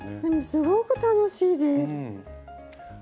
でもすごく楽しいです。